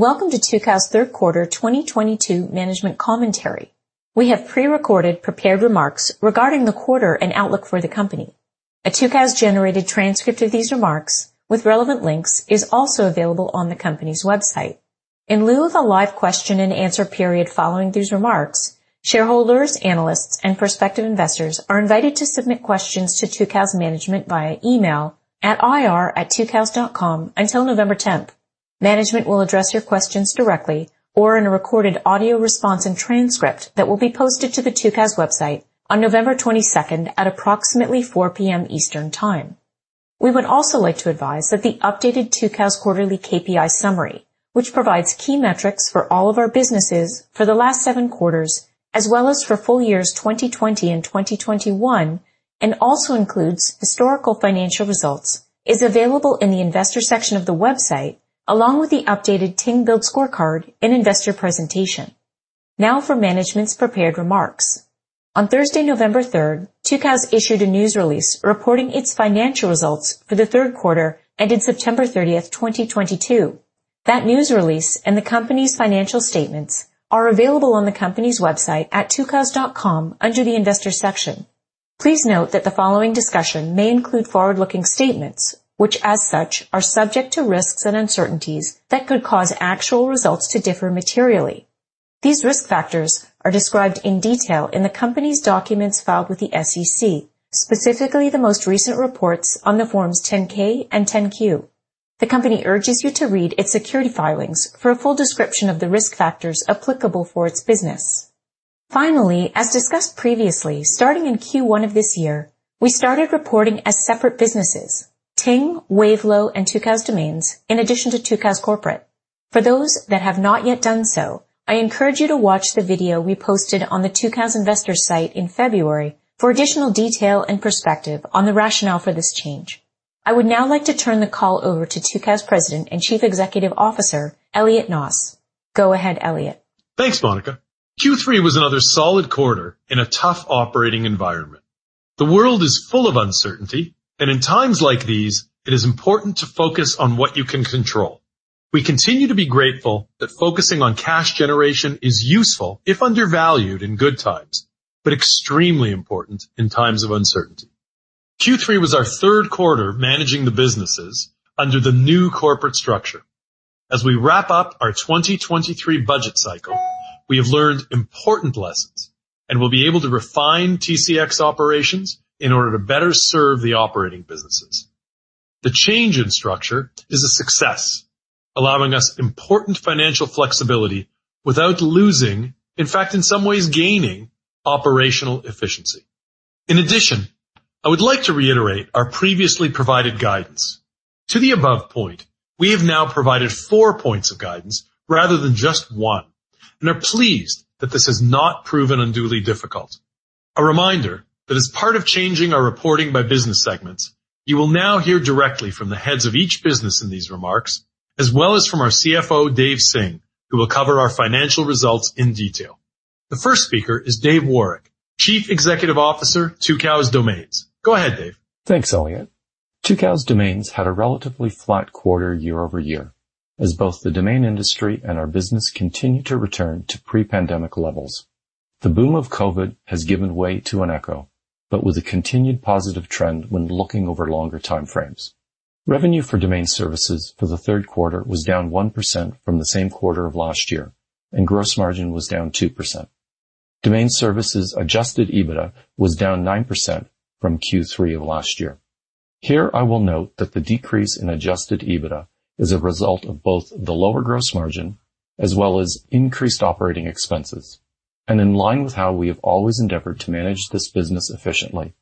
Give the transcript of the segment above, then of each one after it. Welcome to Tucows' Q3 2022 management commentary. We have pre-recorded prepared remarks regarding the quarter and outlook for the company. A Tucows-generated transcript of these remarks with relevant links is also available on the company's website. In lieu of a live question-and-answer period following these remarks, shareholders, analysts, and prospective investors are invited to submit questions to Tucows Management via email at ir@tucows.com until November 10th. Management will address your questions directly or in a recorded audio response and transcript that will be posted to the Tucows website on November 22nd at approximately 4:00 P.M. Eastern Time. We would also like to advise that the updated Tucows quarterly KPI summary, which provides key metrics for all of our businesses for the last seven quarters, as well as for full years 2020 and 2021, and also includes historical financial results, is available in the Investors section of the website, along with the updated Ting Build Scorecard and investor presentation. Now for management's prepared remarks. On Thursday, November 3rd, Tucows issued a news release reporting its financial results for the Q3, ending September 30th, 2022. That news release and the company's financial statements are available on the company's website at tucows.com under the Investors section. Please note that the following discussion may include forward-looking statements, which, as such, are subject to risks and uncertainties that could cause actual results to differ materially. These risk factors are described in detail in the company's documents filed with the SEC, specifically the most recent reports on the Form 10-K and Form 10-Q. The company urges you to read its securities filings for a full description of the risk factors applicable for its business. Finally, as discussed previously, starting in Q1 of this year, we started reporting as separate businesses, Ting, Wavelo and Tucows Domains, in addition to Tucows Corporate. For those that have not yet done so, I encourage you to watch the video we posted on the Tucows Investors site in February for additional detail and perspective on the rationale for this change. I would now like to turn the call over to Tucows President and Chief Executive Officer, Elliot Noss. Go ahead, Elliot. Thanks, Monica. Q3 was another solid quarter in a tough operating environment. The world is full of uncertainty, and in times like these, it is important to focus on what you can control. We continue to be grateful that focusing on cash generation is useful, if undervalued in good times, but extremely important in times of uncertainty. Q3 was our Q3 managing the businesses under the new corporate structure. As we wrap up our 2023 budget cycle, we have learned important lessons, and we'll be able to refine TCX operations in order to better serve the operating businesses. The change in structure is a success, allowing us important financial flexibility without losing, in fact, in some ways, gaining operational efficiency. In addition, I would like to reiterate our previously provided guidance. To the above point, we have now provided four points of guidance rather than just one, and are pleased that this has not proven unduly difficult. A reminder that as part of changing our reporting by business segments, you will now hear directly from the heads of each business in these remarks, as well as from our CFO, Davinder Singh, who will cover our financial results in detail. The first speaker is David Woroch, Chief Executive Officer, Tucows Domains. Go ahead, David. Thanks, Elliot. Tucows Domains had a relatively flat quarter year-over-year as both the domain industry and our business continued to return to pre-pandemic levels. The boom of COVID has given way to an echo, but with a continued positive trend when looking over longer time frames. Revenue for domain services for the Q3 was down 1% from the same quarter of last year, and gross margin was down 2%. Domain services adjusted EBITDA was down 9% from Q3 of last year. Here I will note that the decrease in adjusted EBITDA is a result of both the lower gross margin as well as increased operating expenses. In line with how we have always endeavored to manage this business efficiently,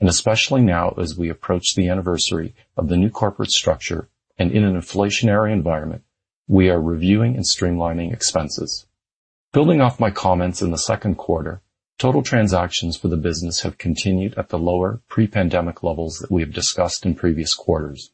and especially now as we approach the anniversary of the new corporate structure and in an inflationary environment, we are reviewing and streamlining expenses. Building off my comments in the Q2, total transactions for the business have continued at the lower pre-pandemic levels that we have discussed in previous quarters.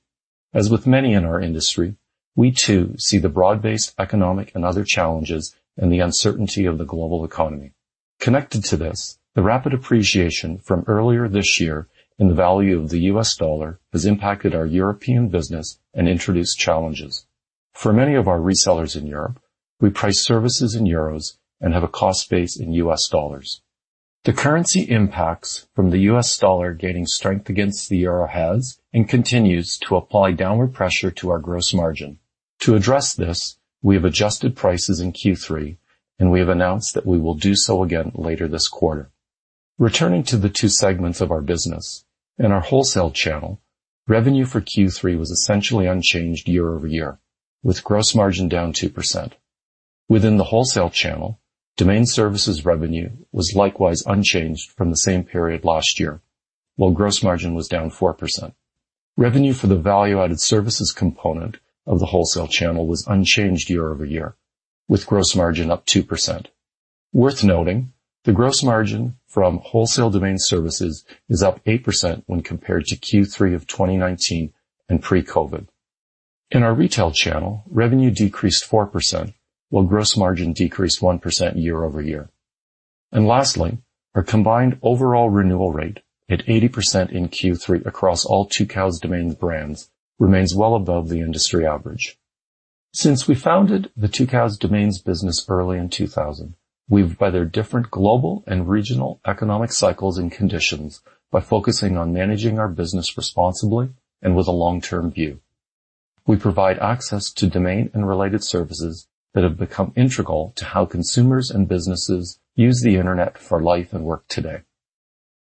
As with many in our industry, we too see the broad-based economic and other challenges and the uncertainty of the global economy. Connected to this, the rapid appreciation from earlier this year in the value of the US dollar has impacted our European business and introduced challenges. For many of our resellers in Europe, we price services in euros and have a cost base in US dollars. The currency impacts from the US dollar gaining strength against the euro has, and continues to apply downward pressure to our gross margin. To address this, we have adjusted prices in Q3, and we have announced that we will do so again later this quarter. Returning to the two segments of our business. In our wholesale channel, revenue for Q3 was essentially unchanged year-over-year, with gross margin down 2%. Within the wholesale channel, domain services revenue was likewise unchanged from the same period last year, while gross margin was down 4%. Revenue for the value-added services component of the wholesale channel was unchanged year-over-year, with gross margin up 2%. Worth noting, the gross margin from wholesale domain services is up 8% when compared to Q3 of 2019 and pre-COVID. In our retail channel, revenue decreased 4%, while gross margin decreased 1% year-over-year. Lastly, our combined overall renewal rate at 80% in Q3 across all Tucows Domains brands remains well above the industry average. Since we founded the Tucows Domains business early in 2000, we've weathered the different global and regional economic cycles and conditions by focusing on managing our business responsibly and with a long-term view. We provide access to domain and related services that have become integral to how consumers and businesses use the Internet for life and work today.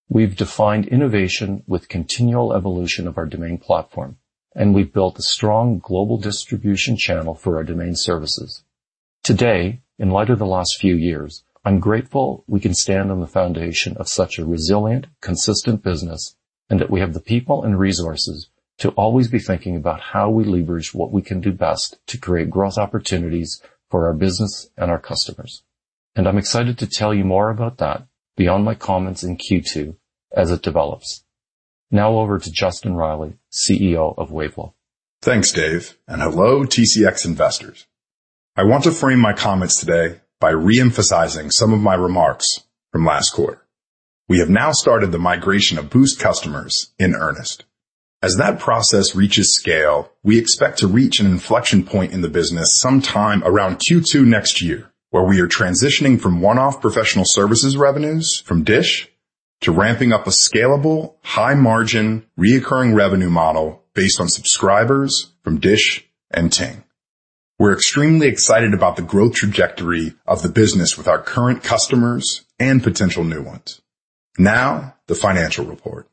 We've defined innovation with continual evolution of our domain platform, and we've built a strong global distribution channel for our domain services. Today, in light of the last few years, I'm grateful we can stand on the foundation of such a resilient, consistent business and that we have the people and resources to always be thinking about how we leverage what we can do best to create growth opportunities for our business and our customers. I'm excited to tell you more about that beyond my comments in Q2 as it develops. Now over to Justin Reilly, CEO of Wavelo. Thanks, Dave, and hello, TCX investors. I want to frame my comments today by re-emphasizing some of my remarks from last quarter. We have now started the migration of Boost customers in earnest. As that process reaches scale, we expect to reach an inflection point in the business sometime around Q2 next year, where we are transitioning from one-off professional services revenues from Dish to ramping up a scalable, high-margin, recurring revenue model based on subscribers from Dish and Ting. We're extremely excited about the growth trajectory of the business with our current customers and potential new ones. Now, the financial report.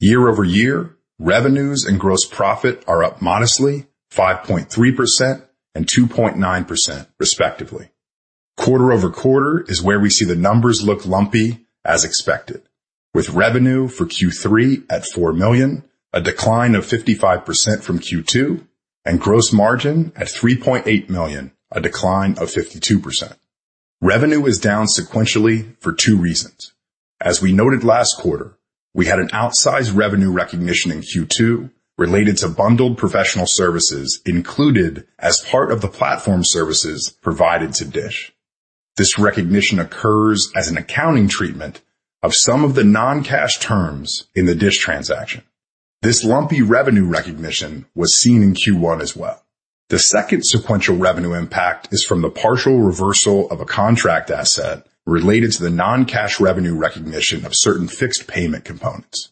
Year-over-year, revenues and gross profit are up modestly 5.3% and 2.9%, respectively. Quarter-over-quarter is where we see the numbers look lumpy as expected, with revenue for Q3 at $4 million, a decline of 55% from Q2, and gross margin at $3.8 million, a decline of 52%. Revenue is down sequentially for two reasons. As we noted last quarter, we had an outsized revenue recognition in Q2 related to bundled professional services included as part of the platform services provided to Dish. This recognition occurs as an accounting treatment of some of the non-cash terms in the Dish transaction. This lumpy revenue recognition was seen in Q1 as well. The second sequential revenue impact is from the partial reversal of a contract asset related to the non-cash revenue recognition of certain fixed payment components.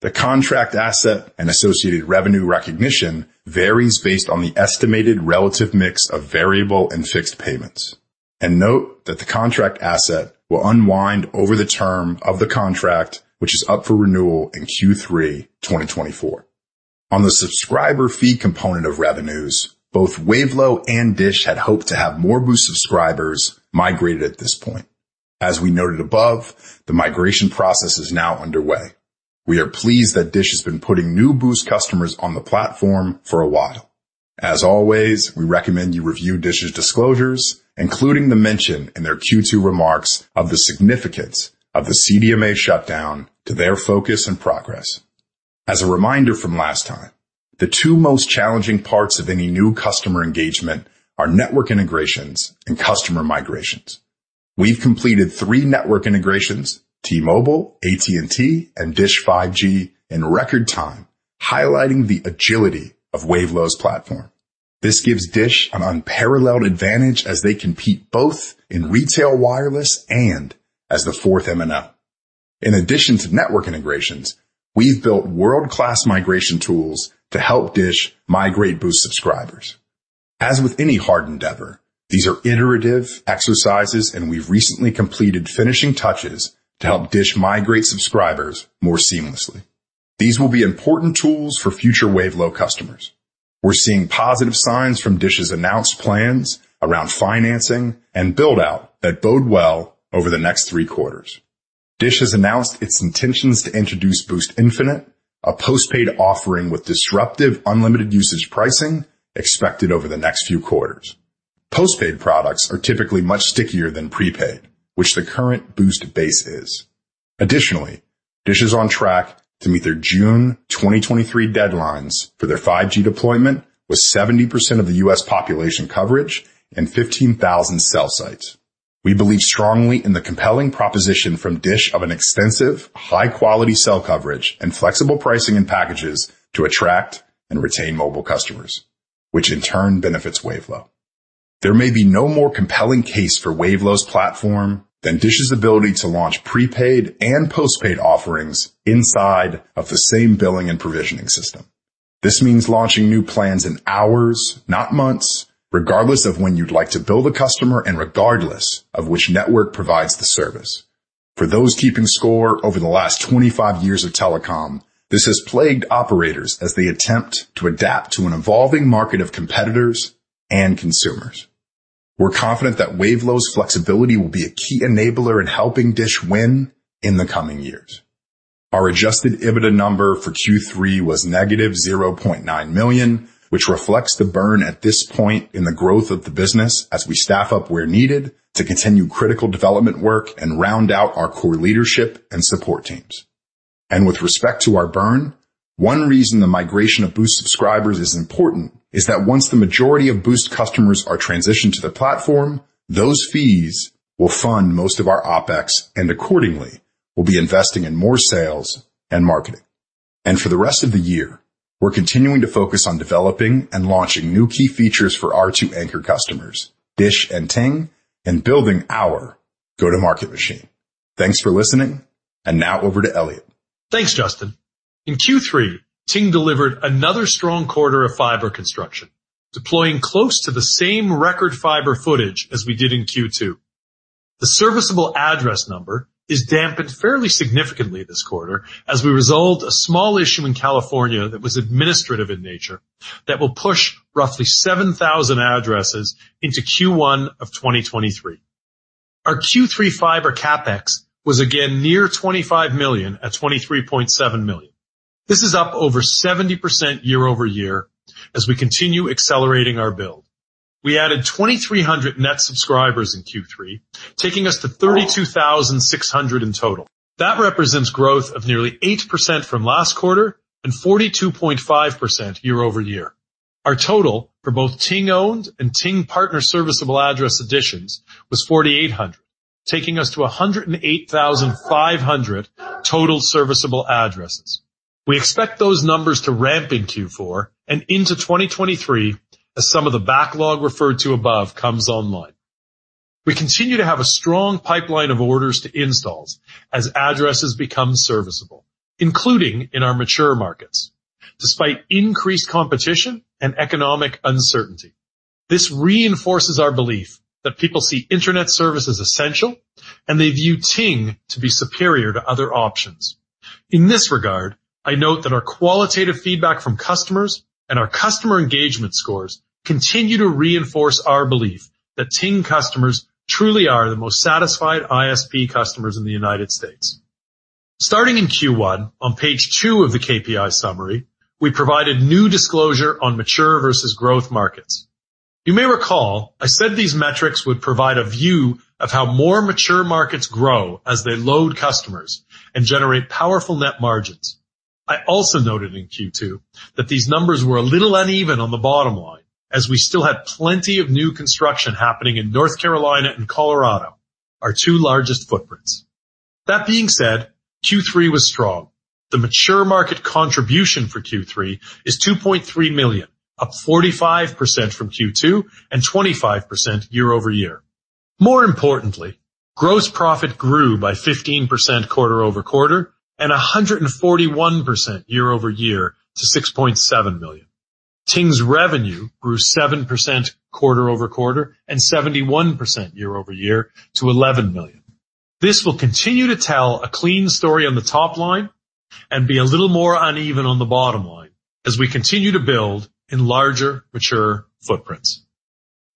The contract asset and associated revenue recognition varies based on the estimated relative mix of variable and fixed payments. Note that the contract asset will unwind over the term of the contract, which is up for renewal in Q3 2024. On the subscriber fee component of revenues, both Wavelo and Dish had hoped to have more Boost subscribers migrated at this point. As we noted above, the migration process is now underway. We are pleased that Dish has been putting new Boost customers on the platform for a while. As always, we recommend you review Dish's disclosures, including the mention in their Q2 remarks of the significance of the CDMA shutdown to their focus and progress. As a reminder from last time, the two most challenging parts of any new customer engagement are network integrations and customer migrations. We've completed three network integrations, T-Mobile, AT&T, and Dish 5G in record time, highlighting the agility of Wavelo's platform. This gives Dish an unparalleled advantage as they compete both in retail wireless and as the fourth MNO. In addition to network integrations, we've built world-class migration tools to help Dish migrate Boost subscribers. As with any hard endeavor, these are iterative exercises, and we've recently completed finishing touches to help Dish migrate subscribers more seamlessly. These will be important tools for future Wavelo customers. We're seeing positive signs from Dish's announced plans around financing and build-out that bode well over the next three quarters. Dish has announced its intentions to introduce Boost Infinite, a post-paid offering with disruptive unlimited usage pricing expected over the next few quarters. Post-paid products are typically much stickier than prepaid, which the current Boost base is. Additionally, Dish is on track to meet their June 2023 deadlines for their 5G deployment with 70% of the U.S. population coverage and 15,000 cell sites. We believe strongly in the compelling proposition from Dish of an extensive, high-quality cell coverage and flexible pricing and packages to attract and retain mobile customers, which in turn benefits Wavelo. There may be no more compelling case for Wavelo's platform than Dish's ability to launch prepaid and post-paid offerings inside of the same billing and provisioning system. This means launching new plans in hours, not months, regardless of when you'd like to bill the customer and regardless of which network provides the service. For those keeping score over the last 25 years of telecom, this has plagued operators as they attempt to adapt to an evolving market of competitors and consumers. We're confident that Wavelo's flexibility will be a key enabler in helping Dish win in the coming years. Our adjusted EBITDA number for Q3 was -$0.9 million, which reflects the burn at this point in the growth of the business as we staff up where needed to continue critical development work and round out our core leadership and support teams. With respect to our burn, one reason the migration of Boost subscribers is important is that once the majority of Boost customers are transitioned to the platform, those fees will fund most of our OPEX, and accordingly, we'll be investing in more sales and marketing. For the rest of the year, we're continuing to focus on developing and launching new key features for our two anchor customers, Dish and Ting, and building our go-to-market machine. Thanks for listening, and now over to Elliot. Thanks, Justin. In Q3, Ting delivered another strong quarter of fiber construction, deploying close to the same record fiber footage as we did in Q2. The serviceable address number is dampened fairly significantly this quarter as we resolved a small issue in California that was administrative in nature that will push roughly 7,000 addresses into Q1 of 2023. Our Q3 fiber CapEx was again near $25 million at $23.7 million. This is up over 70% year-over-year as we continue accelerating our build. We added 2,300 net subscribers in Q3, taking us to 32,600 in total. That represents growth of nearly 8% from last quarter and 42.5% year-over-year. Our total for both Ting-owned and Ting partner serviceable address additions was 4,800, taking us to 108,500 total serviceable addresses. We expect those numbers to ramp in Q4 and into 2023 as some of the backlog referred to above comes online. We continue to have a strong pipeline of orders to installs as addresses become serviceable, including in our mature markets, despite increased competition and economic uncertainty. This reinforces our belief that people see internet service as essential and they view Ting to be superior to other options. In this regard, I note that our qualitative feedback from customers and our customer engagement scores continue to reinforce our belief that Ting customers truly are the most satisfied ISP customers in the United States. Starting in Q1 on page 2 of the KPI summary, we provided new disclosure on mature versus growth markets. You may recall I said these metrics would provide a view of how more mature markets grow as they load customers and generate powerful net margins. I also noted in Q2 that these numbers were a little uneven on the bottom line as we still had plenty of new construction happening in North Carolina and Colorado, our two largest footprints. That being said, Q3 was strong. The mature market contribution for Q3 is $2.3 million, up 45% from Q2 and 25% year-over-year. More importantly, gross profit grew by 15% quarter-over-quarter and 141% year-over-year to $6.7 million. Ting's revenue grew 7% quarter-over-quarter and 71% year-over-year to $11 million. This will continue to tell a clean story on the top line and be a little more uneven on the bottom line as we continue to build in larger, mature footprints.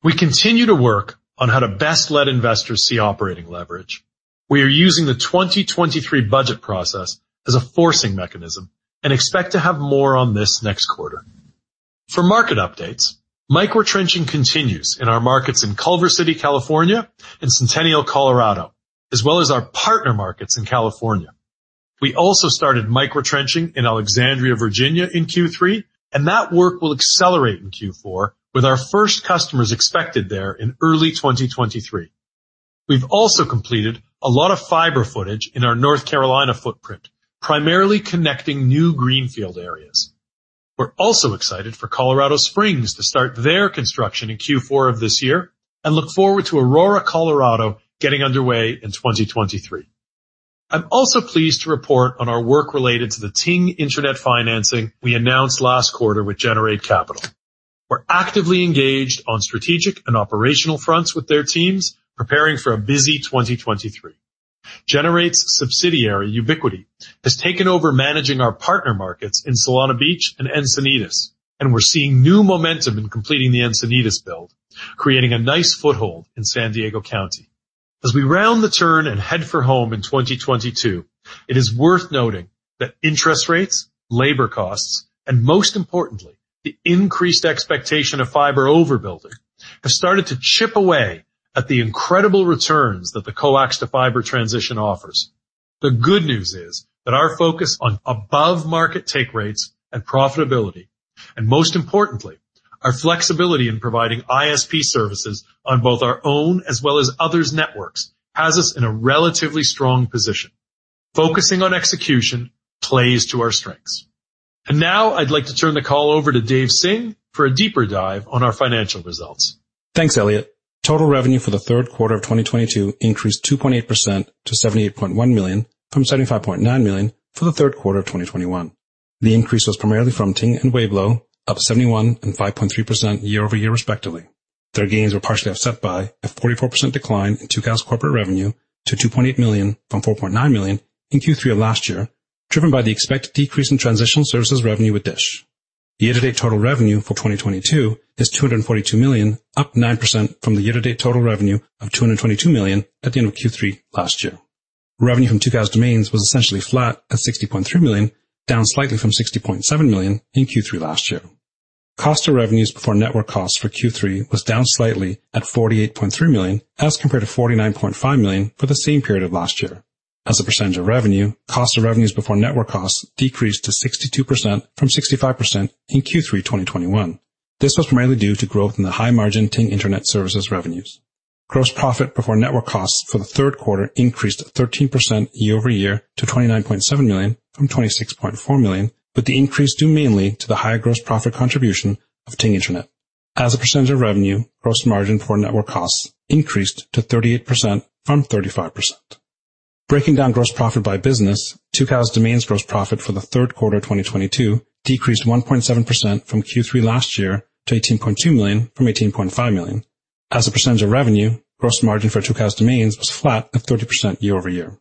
We continue to work on how to best let investors see operating leverage. We are using the 2023 budget process as a forcing mechanism and expect to have more on this next quarter. For market updates, microtrenching continues in our markets in Culver City, California, and Centennial, Colorado, as well as our partner markets in California. We also started microtrenching in Alexandria, Virginia in Q3, and that work will accelerate in Q4 with our first customers expected there in early 2023. We've also completed a lot of fiber footage in our North Carolina footprint, primarily connecting new greenfield areas. We're also excited for Colorado Springs to start their construction in Q4 of this year and look forward to Aurora, Colorado, getting underway in 2023. I'm also pleased to report on our work related to the Ting Internet financing we announced last quarter with Generate Capital. We're actively engaged on strategic and operational fronts with their teams, preparing for a busy 2023. Generate's subsidiary, Ubiquity, has taken over managing our partner markets in Solana Beach and Encinitas, and we're seeing new momentum in completing the Encinitas build, creating a nice foothold in San Diego County. As we round the turn and head for home in 2022, it is worth noting that interest rates, labor costs, and most importantly, the increased expectation of fiber overbuilding, have started to chip away at the incredible returns that the coax-to-fiber transition offers. The good news is that our focus on above market take rates and profitability, and most importantly, our flexibility in providing ISP services on both our own as well as others' networks, has us in a relatively strong position. Focusing on execution plays to our strengths. Now I'd like to turn the call over to Davinder Singh for a deeper dive on our financial results. Thanks, Elliot. Total revenue for the Q3 of 2022 increased 2.8% to $78.1 million from $75.9 million for the Q3 of 2021. The increase was primarily from Ting and Wavelo, up 71% and 5.3% year-over-year, respectively. Their gains were partially offset by a 44% decline in Tucows' corporate revenue to $2.8 million from $4.9 million in Q3 of last year, driven by the expected decrease in transitional services revenue with Dish. The year-to-date total revenue for 2022 is $242 million, up 9% from the year-to-date total revenue of $222 million at the end of Q3 last year. Revenue from Tucows Domains was essentially flat at $60.3 million, down slightly from $60.7 million in Q3 last year. Cost of revenues before network costs for Q3 was down slightly at $48.3 million as compared to $49.5 million for the same period of last year. As a percentage of revenue, cost of revenues before network costs decreased to 62% from 65% in Q3 2021. This was primarily due to growth in the high-margin Ting Internet services revenues. Gross profit before network costs for the Q3 increased 13% year-over-year to $29.7 million from $26.4 million, with the increase due mainly to the higher gross profit contribution of Ting Internet. As a percentage of revenue, gross margin before network costs increased to 38% from 35%. Breaking down gross profit by business, Tucows Domains gross profit for the Q3 2022 decreased 1.7% from Q3 last year to $18.2 million from $18.5 million. As a percentage of revenue, gross margin for Tucows Domains was flat at 30% year over year.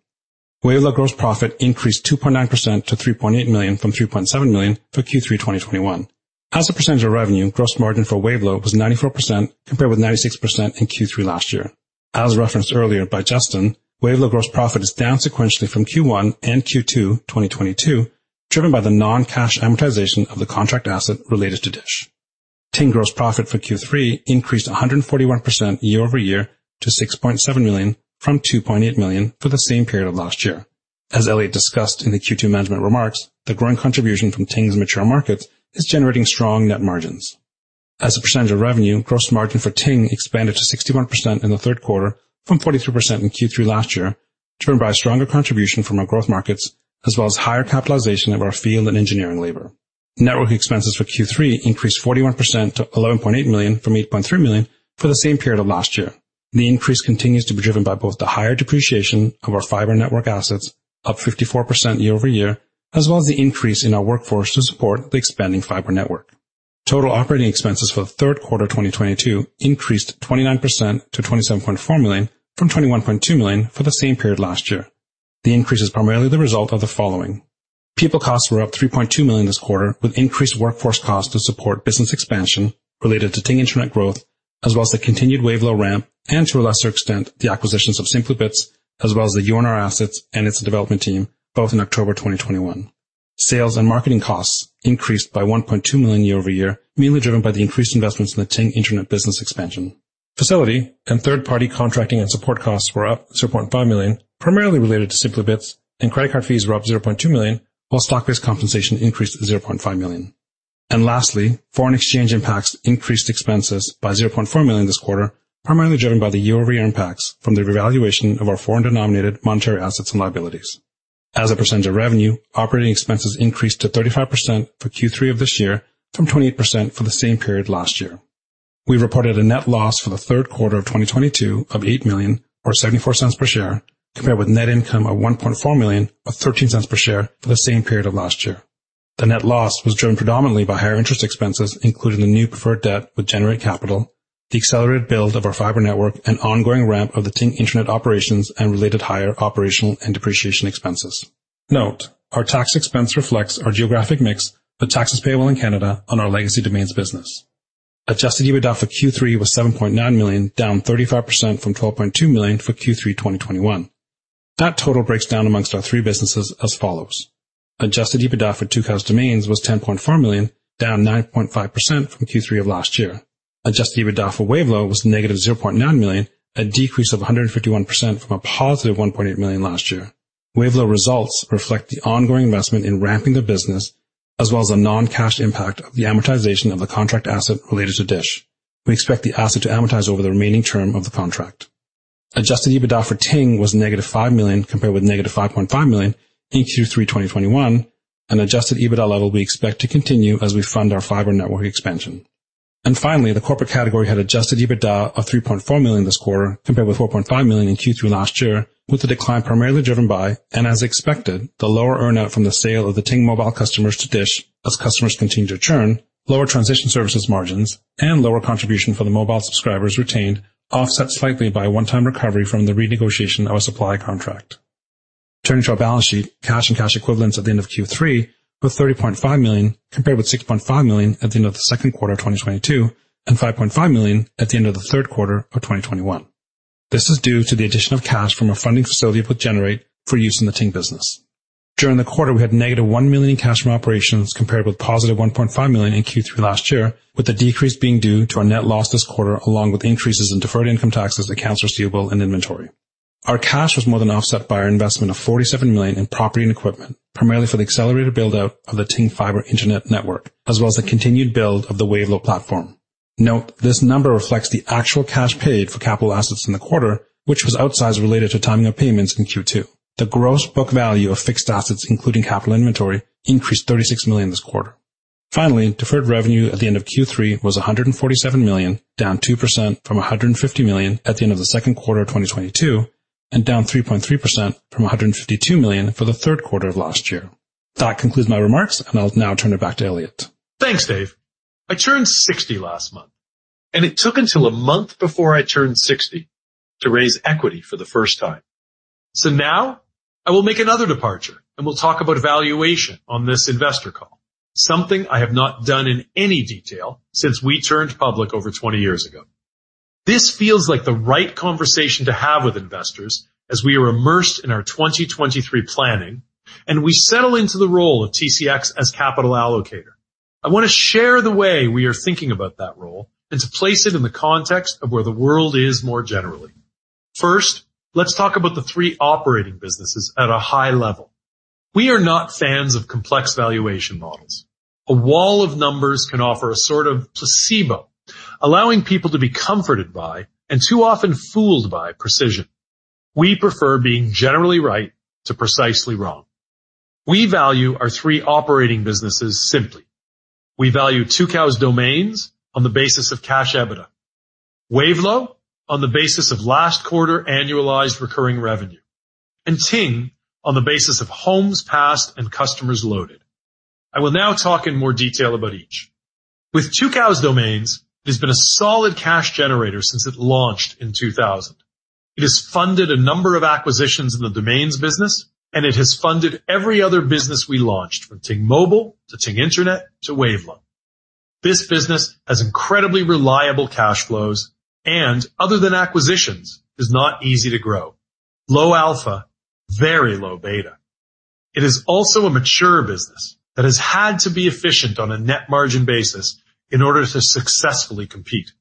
Wavelo's gross profit increased 2.9% to $3.8 million from $3.7 million for Q3 2021. As a percentage of revenue, gross margin for Wavelo was 94% compared with 96% in Q3 last year. As referenced earlier by Justin, Wavelo's gross profit is down sequentially from Q1 and Q2 2022, driven by the non-cash amortization of the contract asset related to Dish. Ting gross profit for Q3 increased 141% year-over-year to $6.7 million from $2.8 million for the same period of last year. As Elliot discussed in the Q2 management remarks, the growing contribution from Ting's mature markets is generating strong net margins. As a percentage of revenue, gross margin for Ting expanded to 61% in the Q3 from 43% in Q3 last year, driven by a stronger contribution from our growth markets as well as higher capitalization of our field and engineering labor. Network expenses for Q3 increased 41% to $11.8 million from $8.3 million for the same period of last year. The increase continues to be driven by both the higher depreciation of our fiber network assets, up 54% year-over-year, as well as the increase in our workforce to support the expanding fiber network. Total operating expenses for the Q3 2022 increased 29% to $27.4 million from $21.2 million for the same period last year. The increase is primarily the result of the following. People costs were up $3.2 million this quarter, with increased workforce costs to support business expansion related to Ting Internet growth as well as the continued Wavelo ramp and, to a lesser extent, the acquisitions of Simply Bits as well as the UNR assets and its development team, both in October 2021. Sales and marketing costs increased by $1.2 million year-over-year, mainly driven by the increased investments in the Ting Internet business expansion. Facility and third-party contracting and support costs were up $6.5 million, primarily related to Simply Bits, and credit card fees were up $0.2 million, while stock-based compensation increased $0.5 million. Lastly, foreign exchange impacts increased expenses by $0.4 million this quarter, primarily driven by the year-over-year impacts from the revaluation of our foreign denominated monetary assets and liabilities. As a percentage of revenue, operating expenses increased to 35% for Q3 of this year from 20% for the same period last year. We reported a net loss for the Q3 of 2022 of $8 million or $0.74 per share, compared with net income of $1.4 million or $0.13 per share for the same period of last year. The net loss was driven predominantly by higher interest expenses, including the new preferred debt with Generate Capital, the accelerated build of our fiber network, and ongoing ramp of the Ting Internet operations and related higher operational and depreciation expenses. Note, our tax expense reflects our geographic mix with taxes payable in Canada on our legacy domains business. Adjusted EBITDA for Q3 was $7.9 million, down 35% from $12.2 million for Q3 2021. That total breaks down amongst our three businesses as follows. Adjusted EBITDA for Tucows Domains was $10.4 million, down 9.5% from Q3 of last year. Adjusted EBITDA for Wavelo was -$0.9 million, a decrease of 151% from a positive $1.8 million last year. Wavelo results reflect the ongoing investment in ramping the business as well as a non-cash impact of the amortization of the contract asset related to Dish. We expect the asset to amortize over the remaining term of the contract. Adjusted EBITDA for Ting was negative $5 million compared with negative $5.5 million in Q3 2021, an adjusted EBITDA level we expect to continue as we fund our fiber network expansion. Finally, the corporate category had adjusted EBITDA of $3.4 million this quarter compared with $4.5 million in Q3 last year, with the decline primarily driven by, and as expected, the lower earn-out from the sale of the Ting Mobile customers to Dish as customers continue to churn, lower transition services margins, and lower contribution for the mobile subscribers retained, offset slightly by a one-time recovery from the renegotiation of a supply contract. Turning to our balance sheet, cash and cash equivalents at the end of Q3 were $30.5 million, compared with $6.5 million at the end of the Q2 of 2022 and $5.5 million at the end of the Q3 of 2021. This is due to the addition of cash from a funding facility with Generate Capital for use in the Ting business. During the quarter, we had negative $1 million in cash from operations compared with positive $1.5 million in Q3 last year, with the decrease being due to our net loss this quarter along with increases in deferred income taxes, accounts receivable, and inventory. Our cash was more than offset by our investment of $47 million in property and equipment, primarily for the accelerated build-out of the Ting Fiber Internet network as well as the continued build of the Wavelo platform. Note, this number reflects the actual cash paid for capital assets in the quarter, which was outsized related to timing of payments in Q2. The gross book value of fixed assets, including capital inventory, increased $36 million this quarter. Finally, deferred revenue at the end of Q3 was $147 million, down 2% from $150 million at the end of the Q2 of 2022, and down 3.3% from $152 million for the Q3 of last year. That concludes my remarks, and I'll now turn it back to Elliot. Thanks, Dave. I turned 60 last month, and it took until a month before I turned 60 to raise equity for the first time. Now I will make another departure, and we'll talk about valuation on this investor call, something I have not done in any detail since we turned public over 20 years ago. This feels like the right conversation to have with investors as we are immersed in our 2023 planning, and we settle into the role of TCX as capital allocator. I wanna share the way we are thinking about that role and to place it in the context of where the world is more generally. First, let's talk about the three operating businesses at a high level. We are not fans of complex valuation models. A wall of numbers can offer a sort of placebo, allowing people to be comforted by and too often fooled by precision. We prefer being generally right to precisely wrong. We value our three operating businesses simply. We value Tucows Domains on the basis of cash EBITDA, Wavelo on the basis of last quarter annualized recurring revenue, and Ting on the basis of homes passed and customers loaded. I will now talk in more detail about each. With Tucows Domains, it has been a solid cash generator since it launched in 2000. It has funded a number of acquisitions in the domains business, and it has funded every other business we launched, from Ting Mobile to Ting Internet to Wavelo. This business has incredibly reliable cash flows and, other than acquisitions, is not easy to grow. Low alpha, very low beta. It is also a mature business that has had to be efficient on a net margin basis in order to successfully compete.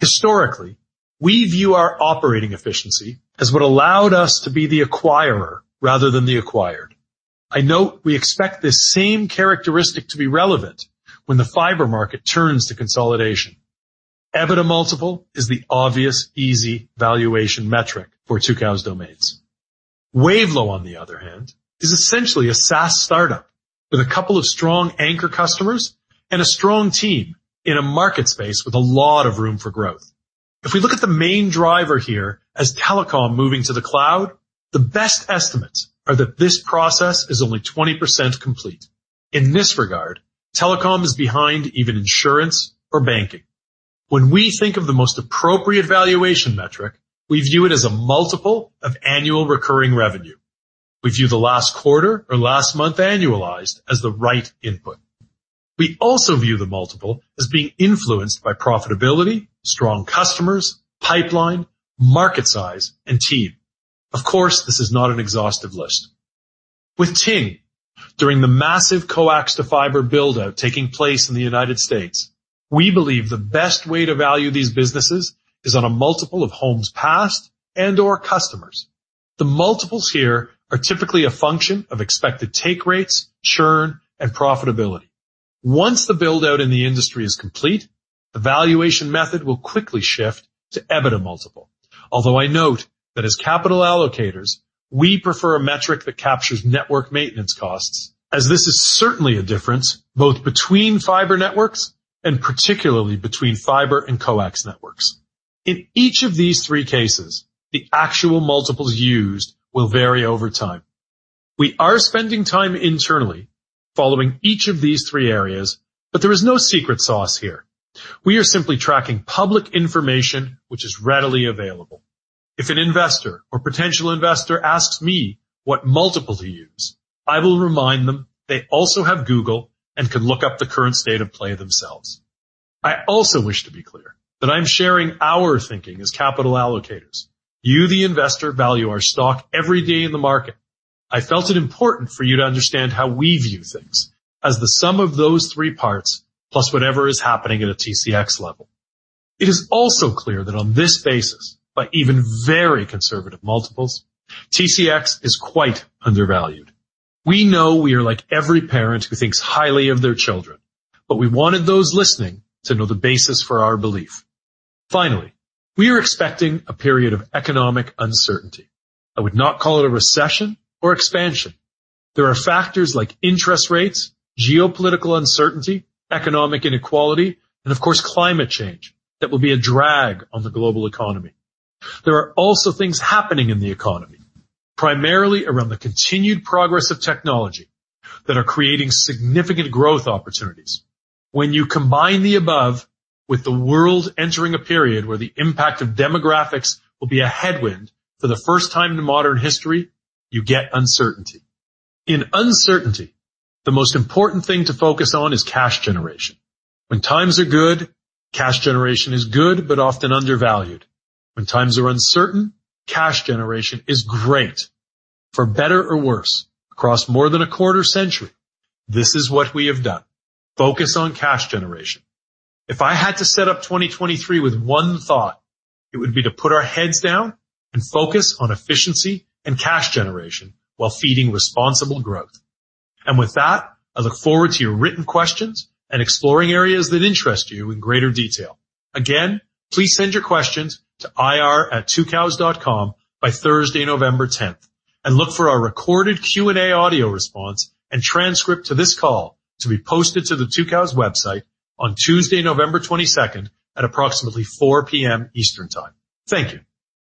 Historically, we view our operating efficiency as what allowed us to be the acquirer rather than the acquired. I note we expect this same characteristic to be relevant when the fiber market turns to consolidation. EBITDA multiple is the obvious easy valuation metric for Tucows Domains. Wavelo, on the other hand, is essentially a SaaS startup with a couple of strong anchor customers and a strong team in a market space with a lot of room for growth. If we look at the main driver here as telecom moving to the cloud, the best estimates are that this process is only 20% complete. In this regard, telecom is behind even insurance or banking. When we think of the most appropriate valuation metric, we view it as a multiple of annual recurring revenue. We view the last quarter or last month annualized as the right input. We also view the multiple as being influenced by profitability, strong customers, pipeline, market size, and team. Of course, this is not an exhaustive list. With Ting, during the massive coax-to-fiber build-out taking place in the United States, we believe the best way to value these businesses is on a multiple of homes passed and/or customers. The multiples here are typically a function of expected take rates, churn, and profitability. Once the build-out in the industry is complete, the valuation method will quickly shift to EBITDA multiple. Although I note that as capital allocators, we prefer a metric that captures network maintenance costs, as this is certainly a difference both between fiber networks and particularly between fiber and coax networks. In each of these three cases, the actual multiples used will vary over time. We are spending time internally following each of these three areas, but there is no secret sauce here. We are simply tracking public information, which is readily available. If an investor or potential investor asks me what multiple to use, I will remind them they also have Google and can look up the current state of play themselves. I also wish to be clear that I'm sharing our thinking as capital allocators. You, the investor, value our stock every day in the market. I felt it important for you to understand how we view things, as the sum of those three parts plus whatever is happening at a TCX level. It is also clear that on this basis, by even very conservative multiples, TCX is quite undervalued. We know we are like every parent who thinks highly of their children, but we wanted those listening to know the basis for our belief. Finally, we are expecting a period of economic uncertainty. I would not call it a recession or expansion. There are factors like interest rates, geopolitical uncertainty, economic inequality, and of course, climate change that will be a drag on the global economy. There are also things happening in the economy, primarily around the continued progress of technology, that are creating significant growth opportunities. When you combine the above with the world entering a period where the impact of demographics will be a headwind for the first time in modern history, you get uncertainty. In uncertainty, the most important thing to focus on is cash generation. When times are good, cash generation is good but often undervalued. When times are uncertain, cash generation is great. For better or worse, across more than a quarter century, this is what we have done. Focus on cash generation. If I had to set up 2023 with one thought, it would be to put our heads down and focus on efficiency and cash generation while feeding responsible growth. With that, I look forward to your written questions and exploring areas that interest you in greater detail. Again, please send your questions to ir@tucows.com by Thursday, November 10th, and look for our recorded Q&A audio response and transcript to this call to be posted to the Tucows website on Tuesday, November 22nd, at approximately 4:00 P.M. Eastern Time. Thank you.